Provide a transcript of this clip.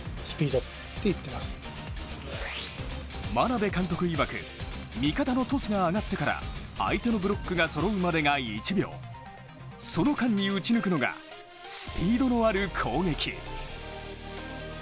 眞鍋監督いわく、味方のトスが上がってから相手のブロックがそろうまでが１秒その間に打ち抜くのがスピードのある攻撃。